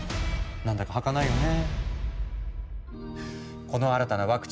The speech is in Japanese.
なんだかはかないよね。